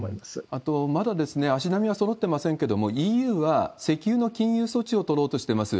あと、まだ足並みはそろってませんけれども、ＥＵは石油の禁輸措置を取ろうとしてます。